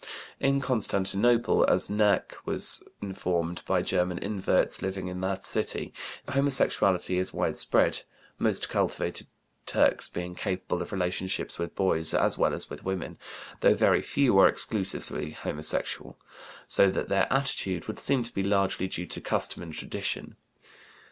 In Constantinople, as Näcke was informed by German inverts living in that city, homosexuality is widespread, most cultivated Turks being capable of relations with boys as well as with women, though very few are exclusively homosexual, so that their attitude would seem to be largely due to custom and tradition.